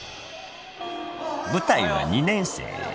［舞台は２年生へ］